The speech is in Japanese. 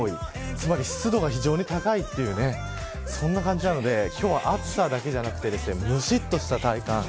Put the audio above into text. つまり湿度が非常に高いというそんな感じなので今日は暑さだけじゃなくてむしっとした体感。